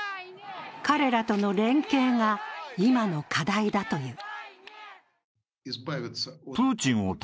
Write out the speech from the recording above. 彼らとの連携が今の課題だという。